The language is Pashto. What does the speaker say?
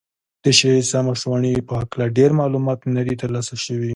د شېخ عیسي مشواڼي په هکله ډېر معلومات نه دي تر لاسه سوي دي.